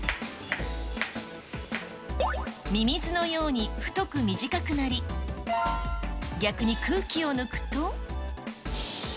ミミズのように太く短くなり、逆に空気を抜くと。